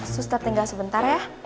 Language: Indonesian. suster tinggal sebentar ya